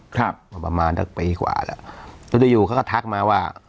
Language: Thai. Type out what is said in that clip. บรรมาณการตั้งปีกว่าแล้วเธอจะอยู่ก็ทักมาว่า